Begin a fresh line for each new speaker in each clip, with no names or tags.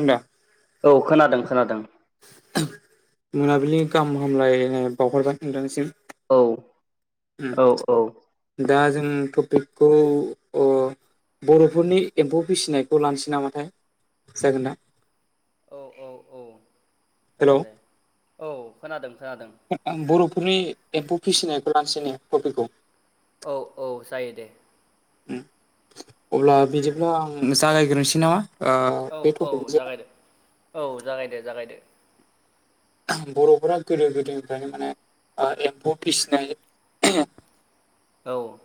होनदा
औ खोनादों खोनादों।
मोनाबिलिनि गाहाम हामलायनाय बावहरबाय नोंथांनिसिम
औ
उम
औ औ।
दा जों टपिकखौ बर'फोरनि एम्फौ फिसिनायखौ लानोसै नामाथाय जागोना
औ औ औ
हेलौ
जागोन दे औ खोनादों खोनादों।
बर'फोरनि एम्फौ फिसिनायखौ लानोसै ने तपिकखौ।
औ औ जायो दे।
अब्ला बिदिब्ला आं जागायग्रोनोसै नामा? आ
औ
बे थफिकनि
औ
सायाव
जागायदो औ जागायदो जागायदो।
बर'फोरा गोदो गोदायनिफ्रायनो माने एम्फौ फिसिनाय गोदो
औ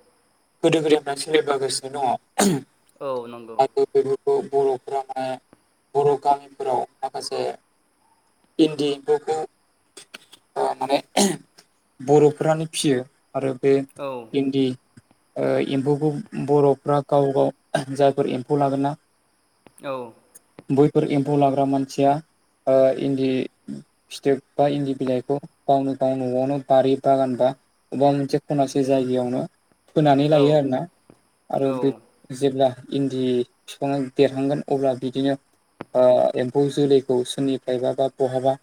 गोदो गोदायनिफ्राय सोलिबोगासिनो दङ
औ नंगौ
[unintelligible] गामिफोराव माखासे इन्दि एम्फौखौ माने बर'फोरानो फिसियो आरो बे
औ
इन्दि एम्फौखौ बर'फ्रा गाव गाव जायफोर एम्फौ लागोन ना
औ
बैफोर एम्फौ लाग्रा मानसिया इन्दि फिथोब बा इन्दि बिलाइखौ गावनो गाव न'आवनो बारि बागान बा अबेबा मोनसे खनासे जायगायावनो फोनानै
औ
लायो आरोना
औ
आरो बे जेब्ला इन्दि बिफाङा देरहांगोन अब्ला बिदिनो एम्फौ जोलैखौ सोरनिफ्रायबा बा बहाबा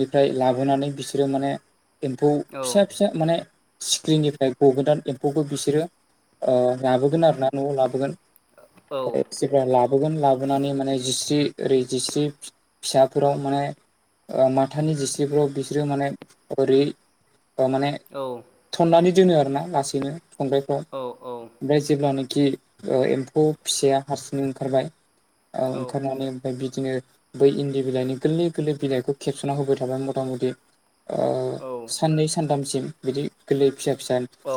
निफ्राय लाबोनानै बिसोरो माने एम्फौ
औ
फिसा फिसा माने सिक्रिनिफ्राय गगोदान एम फौखौ बिसोरो लाबोगोन आरो ना न'आव लाबोगोन लाबोगोन लाबोनानै माने जिस्रि ओरै जिस्रि फिसाफोराव माने माथानि जिस्रिफ्राव बिसोरो माने ओरै माने
औ
थननानै दोनो आरोना लासैनो संग्राइफ्राव
औ औ
ओमफ्राय जेब्लानाखि एम्फौ फिसाया हारसिङै ओंखारबाय ओंखारनानै ओमफ्राय बिदिनो बै इन्दि बिलाइनि गोरलै गोरलै बिलाइखौ खेबसना होबाय थाबाय मथा मथि साननै सानथामसिम बिदि गोरलै फिसा फिस
औ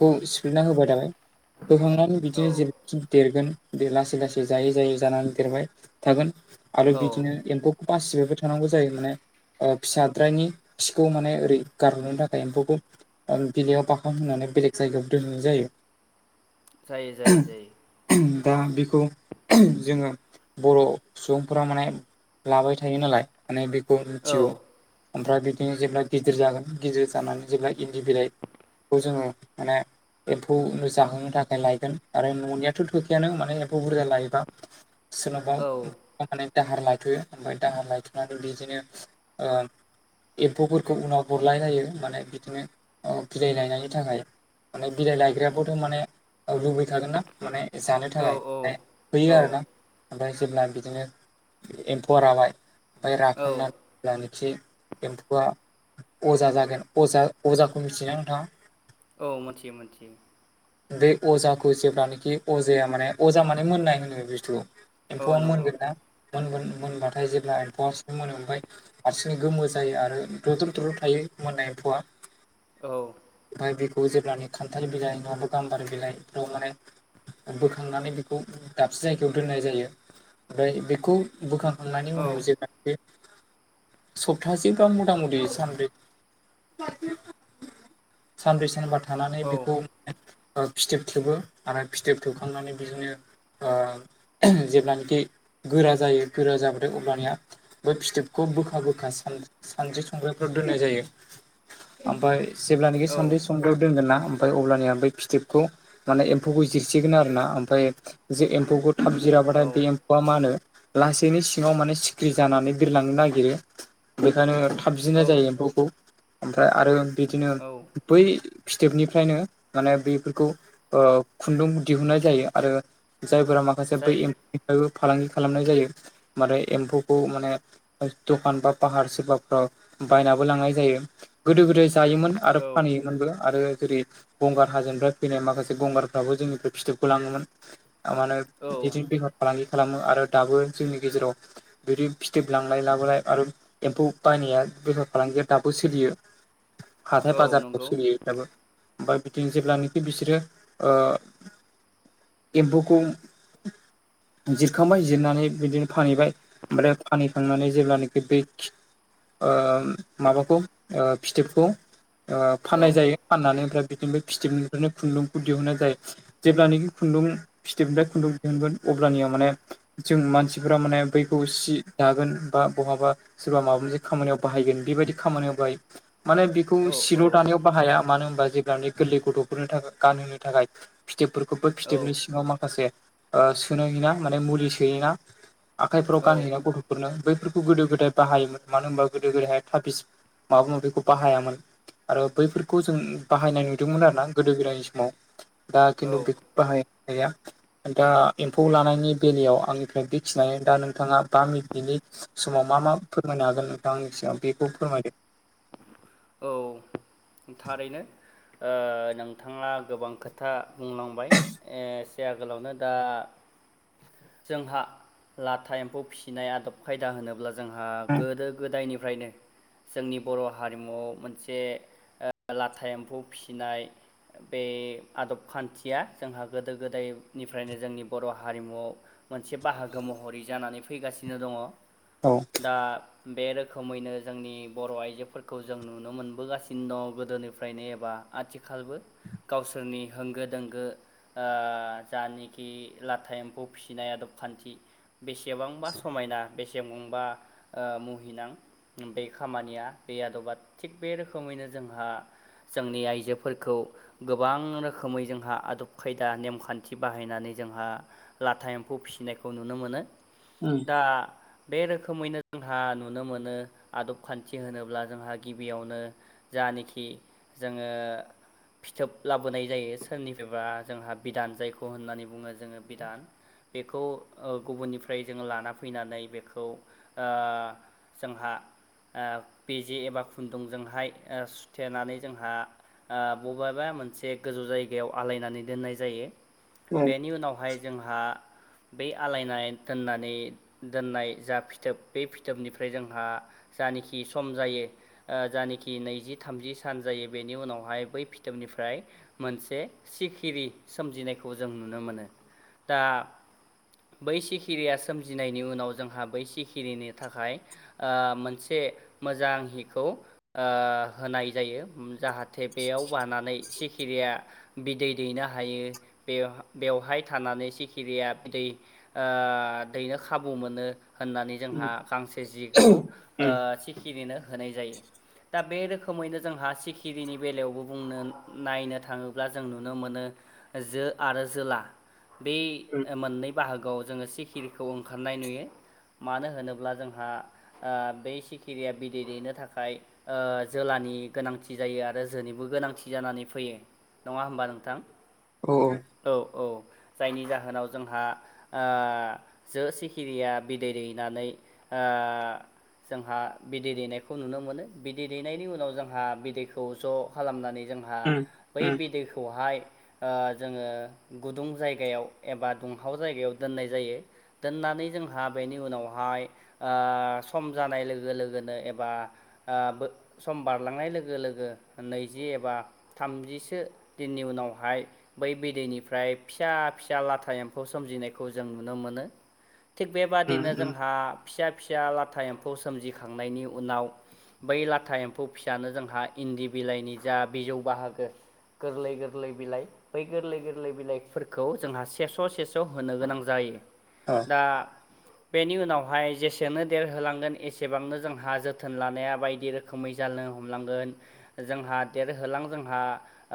खौ सिफ्लेना होबाय थाबाय फोखांनानै बिदिनो
औ
जेरैखि देरगोन लासै लासै जायै जायै जानानै देरबाय थागोन आरो
औ
बिदिनो एम्फौखौ बासिबायबो थानांगौ जायो माने फिसाद्रायनि खिखौ माने ओरै गारहोननो थाखाय एम्फौखौ बिलाइयाव बाख नानै बेलेग जायगायाव दोनहैनाय जायो
जायो जायो जायो
दा बेखौ जोङो बर' सुबुंफोरा माने लाबाय थायो नालाय माने बेखौ
औ
मिथिगौ ओमफ्राय बिदिनो जेब्ला गिदिर जागोन गिदिर जानानै जेब्ला इन्दि बिलाइ खौ जोङो माने एम्फौ जाहोनो थाखाय लायगोन आरो न'नियाथ' थोखायानो माने एम्फौ बुरजा लायोबा जेनबा
औ
माने दाहार लायथ'यो ओमफ्राय दाहार लाायथ'नानै बिदिनो एम्फौफोरखौ उनाव हरलायलायो माने बिदिनो बिलाइ लायनायनि थाखाय माने बिलाइ लायग्रायाबोथ' माने लुबैखागोन ना माने जानो
औ
थाखाय होयो
औ
आरोना ओमफ्राय जेब्ला बिदिनो एम्फौआ राबाय ओमफ्राय
औ
राखांनानै नोखि एम्फौआ अजा जागोन अजा अजाखौ मिथियो ना
औ मिथियो मिथियो
बे अजाखौ जेब्लानोखि अजाया माने अजा माने मोननाय होनो बस्थुखौ
औ
एम्फौआ
नंगौ
मोनगोन ना मोनबाथाय जेब्ला एम्फौआ सो मोनो ओमफ्राय हारसिंङै गोमो जायो आरो दुद्रु द्रु थायो मोननाय एम्फौआ
औ
ओमफ्राय बेखौ जेब्लनि खान्थाल बिलाइ नङाब्ला गाम्बारि बिलाइफ्राव माने बोखांनानै बेखौ दाबसे जायगायाव दोननाय जायो ओमफ्राय बेखौ बुखां खालामनायनि
औ
उनाव जेसै सप्तासेबा मथा मथि सानब्रै सानब्रै सानबा थानानै
औ
बेखौ फिथेोब थेबो आरो फिथोब थेबखांनानै बिदिनो जेब्लानाखि गोरा जायो गोरा जाबोथाय अब्लानिया बै फिथोबखौ बोखा बोखा सानद्रि संग्र्रिफोराव दोननाय जायो। ओमफ्राय जेब्लानोाखि
औ
सान्दै संदयाव दोनगोन ना ओमफ्राय अबब्लानि आं बे फिथोबखौ माने एम्फौखौ जिरसिगोन आरो ना ओमफ्राय जे एम्फौखौ थाब जिराबाथाय
औ
बे एम्फौआ मा होनो लासैनो सिङाव माने सिखिरि जानानै बिरलांनो नागिरो बेखायनो
औ
साबजिनाय जायो एम्फौखौ ओमफ्राय आरो बिदिनो
औ
बै सिथेोबनिफ्रायनो माने बेफोरखौ खुन्दुं दिहुननाय जायो आरो जायफोरा माखासे बै
जायो
निफ्रायबो फालांगि खालामनाय जायो मे एम्फौखौ माने दखान बा पाहार सोरबाफोराव बायनाबो लांनाय जायो गोदो गोदाय जायोमोन।
औ
फानयोमोनबो आरो जेरै गंगार हाजोनिफ्राय फैनाय माखासे गंगारफ्राबो जोंनिफ्राय फिथोबखौ लाङोमोन थारमाने
औ
बिदिनो बेफार फालांगि खालामो आरो दाबो जोंनि गेजेराव बिदि फिथोब लांलाय लाबोलाय आरो। एम्फौ बायनाया बेफार फालांगि दाबो सोलियो हाथाय
औ
बाजार
नंगौ
ओमफ्राय बिदिनो जेब्लानाखि बिसोरो ओ। एम्फौखौ जिरखांबाय जिरनानै बिदिनो फानहैबाय ओमफ्राय फानहैखांनानै जेब्लानाखि बे ओ माबाखौ फिथोबखौ
औ
फाननाय जायो फाननानै ओमफ्राय बिदिनोफ्राय फिथिोबनिफ्रायनो खुन्दुंखौ दिहुननाय जायो। जेब्लखि खुन्दुं फिथोबनिफ्राय खुन्दुं दिहुनगोन अब्लानिया माने जों मानसिफोरा माने बैखौ सि दागोन बा बहाबा सोरबा माबा मोनसे खामानियाव बाहायगोन बेबायदि खामानियावाय माने बेखौ
औ
सिल' थानायानायाव बाहाया मानो होनबा जेब्लाान गोरलै गथ'फोरनो थाखाय गानहोनो थाखाय। फिथोबफोरखौबो
औ
फिथोबनि सिङाव माखासे सोनोायोना माने मुलि सोयोना। आखाइफ्राव गानहैना गथ बेफोरनो बैफोरखौ गोदो गोदाय बाहायोमोन मानो होनबा गोदो गोदायहाय थााबिस माबा माबिखौ बाहायामोन। आरो बैफोरखौ जों बाहायनाय नुदोंमोन आरो ना गोदो गोदायनि समाव दा
औ
खिन्थु बे बाहायनाया। दा एम्फौ लानायनि बेलायाव आंनिफ्राय बेखिनाय दा नोंथाङा बा मिनिटनि समाव मा मा फोरमायनो हागोन नोंथां आंनि सायाव बेखौ फोरमायदो।
औ थारैनो। ओ नोंथाङा गोबां खोथा बुंलांबाय। ओ एसे आगोलावनो दा जोंहा लाथा एम्फौ फिसिनाय आदब खायदा होनोब्ला जोंहा गोदो गोदायनिफ्रायनो जोंनि बर' हारि मुआव मोनसे लाथा एम्फौ फिसिनाय बे आदब खान्थिया जोंहा गोदो गोदायनिफ्रायनो जोंनि बर' हारिमुआव मोनसे बाहागो महरै जानानै फैगासिनो दङ।
औ।
दा बे रोखोमैनो जोंनि बर' आइजोफोर खौ जों नुनो मोनबोगासिनो दं गोदोनिफ्रायनो एबा आथिखालबो गावसोरनि होंगो दोंगो आ जानखि लाथा एम्फौ फिसिनाय आदब- खान्थि बेसेबांबा समायना बेसेबांबा ओ मुहिनां बे खामानिया गैयादबा थिग बे रोखोमैनो जोंहा जोंनि आइजोफोरखौ गोबां रोखोमै जोंहा आदब खायदा नेमखान्थि बाहायनानै जोंहा लाथा एम्फौ फिसिनायखौ नुनो मोनो।
उम
दा बे रोखोमैनो जोंहा नुनो मोनो आदब खान्थि होनो ब्ला जोंहा गिबियावनो जानिखि जोङो फिथोब लाबोनाय जायो सोरनिफ्रायबा जोंहा बिदान जायखौ होननानै बुङो जोङो बिदान बेखौ ओ गुबुननिफ्राय जोङो लाना फैनानै बेखौ आ जोंहा ओ बेजि एबा खुन्दुंजोंहाय ओ सुथेनानै जोंहा आ बबेबा मोनसे गोजौ जायगायाव आलायनानै दोननाय जायो
औ
बेनि उनावहाय जोंहा बे आलायना दोननानै दोननाय जा फिथोब बे फिथोबनिफ्राय जोंहा जानखि सम जायो ओ जानिखि नैजि थामजि सान जायो बेनि उनावहाय बै फिथोबनिफ्राय मोनसे सिखिरि सोमजिनायखौ जों नुनो मोनो दा बै सिखिरिया सोमजिनायनि उनाव जोंहा बै सिखिरिनि थाखाय ओ मोनसे मोजां हिखौ ओ होनाय जायो जाहाथे बेयाव बानानै सि खिरिया बिदै दैनो हायो बेव बेवहाय थानानै सिखिरिया बिदै ओ दैनो खाबु मोनो होननानै जोंहा गांसे जिखौ ओ सिखिरिनो होनाय जायो। दा बे रोखोमैनो जोंहा सिखिरिनि बेलायावबो बुंनो नायनो थाङोब्ला जों नुनो मोनो। जो आरो जोला बे मोननै बाहागोआव जोंङो सिखिरिखौ ओंखारनाय नुयो मानो होनोब्ला जोंहा ओ बे सिखिरिया बिदै दैनो थाखाय ओ जोलानि गोनांथि जायो आरो जोनिबो गोनांथि जानानै फैयो। नंङा होनबा नोंथां?
औ
औ औ जायनि जाहोनाव जोंहा ओ जो सिखिरिया बिदै दैनानै ओ जोंहा बिदै दैेनायखौ नुनो मोनो बिदै दैनायनि उनाव जोंहा बिदैखौ ज' खालामनानै जोंहा हा बै बिदैखौहाय ओ जोङो गुदुं जायगायाव एबा दुंहाव जायगायाव दोननाय जायो। दोननानै जोंहा बेनि उनावहाय ओ सम जानाय लोगो लो गोनो एबा ओ सम बारलांनाय लोगो लोगो नैजि एबा थामजिसो दिननि उनावहाय बै बिदैनिफ्राय फिसा फिसा लाथा एम्फौ सोमजिनायखौ जों नुनो मोनो। थिग बेबादिनो जोंहा फिसा फिसा लाथा एम्फौ सोमजिखांनायनि उनाव बै लाथा एम्फौ फिसानो जोंहा इन्दि बिलाइनि जा बिजौ बाहागो गोरलै गोरलै बिलाइ बै गोरलै गोरलै बिलाइफोरखौ जोंहा सेस' सेस' होनो गोनां जायो।
[unintelligible]
दा बेनि उनावहाय जेसेनो देरहोलांगोन एसे एसेबांनो जोंहा जोथोन लानाया बायदि रोखोमै जालनो हमलांगोन जोंहा देरहोलां जोंहा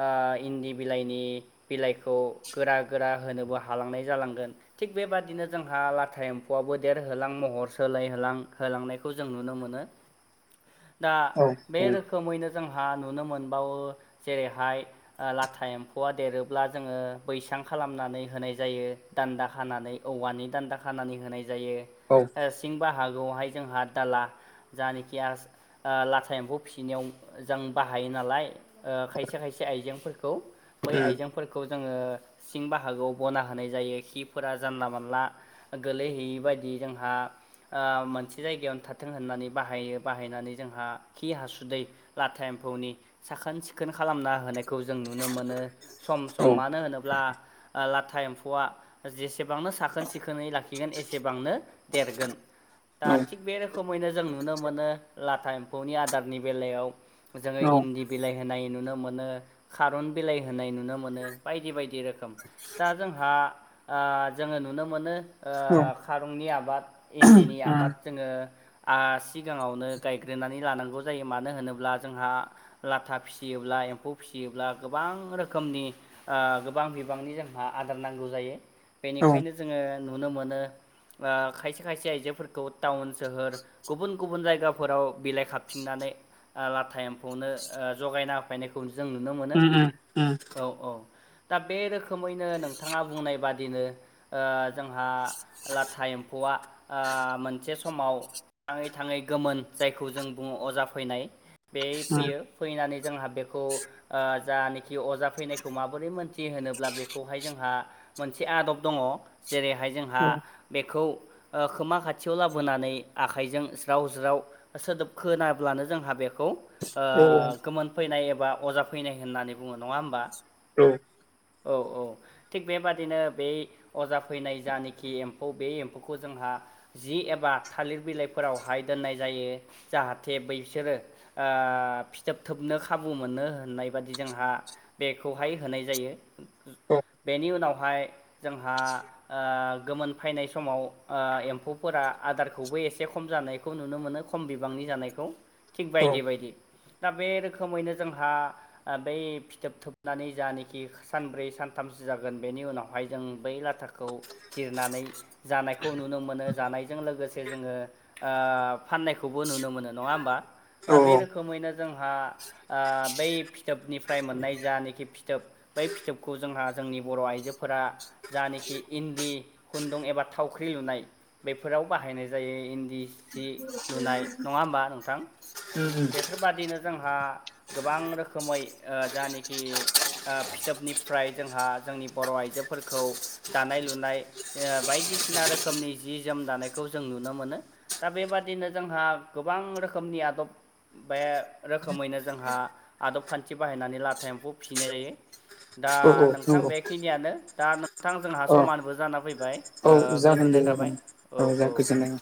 ओ इन्दि बिलाइनि बिलाइखौ गोरा गोरा होनोबो हालांनाय जालांगोन थिग बेबादिनो जोंहा लाथा एम्फौआबो देरहोलां महर सोलायहोलां होलांनाय खौ जों नुनो मोनो दा बे रोखोमैनो जोंहा नुनो मोनबावो जेरैहाय आ लाथा एम्फौआ देरोब्ला जोंङो बैसां खालामनानै होनाय जायो दान्दा खानानै औवानि दान्दा खानानै होनाय जायो सिं बाहागोआवहाय जोंहा दाला जानखि आ लाथा एम्फौ फिनायाव जों बाहायो नालाय खायसे खायसे आइजेंफोरखौ बै आइजें फोरफोरखौ जोङो सिं बाहागोआव बना होनाय जायो खिफोरा जानला मोनला गोलैहैयै बायदि जोंहा मोनसे जायगायावनो थाथों होननानै बाहायो बाहायनानै जोंहा खि हासुदै लाथा एम्फौनि साखोन सिखोन खालामना होनाय खौ जों नुनो मोनो सम सम मानो होनोब्ला लाथा एम्फौआ जेसेबांनो साखोन सिखोनै लाखिगोन एसेबांनो देरगोन दा थिग बे रोखोम रुखुमैनो जों नुनो मोनो लाथा एम्फौनि आदारनि बेलायाव जो
औ
इदि बिलाइ होनाय नुनो मोनो खारन बिलाइ होनाय नाय नुनो मोनो बायदि बायदि रोखोम दा जोंहा जोङो नुनो मोनो ओ
औ
खारौनि आबाद इन्दिनि
औ
आबाद जोङो ओ सिगाङावनो गायग्रोनानै लानांगौ जायो मानो होनोब्ला जोंहा लाथा फिसियोब्ला एम्फौ फिसियोब्ला गोबां रोखोमनि ओ गोबां बिबांनि जोंहा आदार नांगौ जायो
औ उम
बेनिखायनो जोङो नुनो मोनो खायसे खायसे आइजोफोरखौ टाउन सोहोर गुबुन गुबुन जायगाफोराव बिलाइ खाबथिंनानै लाथा एम्फौनो जगायना फायनायखौ जों नुनो मोनो
उम उम
औ औ दा बे रोखोम रोखोमैनो नोंथाङा बुंनाय बादिनो जोंहा लाथा एम्फौआ मोनसे समाव थाङै थाङै गोमोन जायखौ जों बुङो अजा फैनाय बे
उम
फैयो फैनानै जोंहा बेखौ ओ जानखि अजा फैनायखौ माबोरै मोनथियो होनोब्ला बेखौहाय जोंहा मोनसे आदब दङ जेरैहाय जोंहा
औ
जोंहा बेखौ खोमा खाथियाव लाबोनानै आखाइजों ज्राव ज्राव सोदोब खोनाब्लानो जोंहा बेखौ
औ
गोमोन फैनाय एबा अजा फैनाय होननानै बुङो नङा होमबा
औ
औ औ थिग बेबादिनो बे अजा फैनाय जानखि एम्फौ बे एम्फौखौ जोंहा जि एबा थालिर बिलाइफोरावहाय दोननाय जायो जाहाथे बैसोरो ओ फिथोब थोबनो खाबु मोनो होननाय बादि जोंहा बेखौहाय होनाय जायो बेनि उनावहाय जोंहा ओ गोमोन फैनाय समाव ओ एम्फौफोरा आदार खौबो एसे खम जानायखौ नुनो मोनो खम बिबांनि जानायखौ थिग बायदि बायदि दा बे रोखोमैनो जोंहा बै फिथोब थोबनानै जानखि सानब्रै सानथामसो जागोन बेनि उनावहाय जों बै लाथा जिरनानै जानायखौ नुनो मोनो जानायजों लोगोसे जोङो ओ फनाय नुनो मोनो नङा होमबा दा
औ
बे रोख रोखोमैनो जोंहा बै फिथोबनिफ्राय मोननाय जानखि फिथोब बै फिथोबखौ जोंहा जोंनि बर' आइजोफोरा जानखि इन्दि खुन्दुं एबा थावख्रि लुनाय बेफोराव बाहायनो जायो जायो इन्दि सि लुनाय नङा होमबा नोंथां बेफोर बेफोरबादिनो जोंहा गोबां रोखोमै जानखि फिथोबनिफ्राय जोंहा जोंनि बर' आइजोफोरखौ दानाय लुनाय बायदिसिना रोखोमनि जि जोम दानायखौ जों नुनो मोनो दा बेबादिनो जोंहा गोबां रोखोमनि आदब बे रोखोमैनो जोंहा आदब खान्थि बाहायनानै लाथा एम्फौ फिसिनाय जायो दा
औ
नोंथां
नंगौ
बेखिनियानो। आंहा नोंथां जोंहा
अ
समानबो जाना फैबाय
औ जागोन दे
गोजोननाय
जागोन
थाबाय औ
जा
औ
गोजोननाय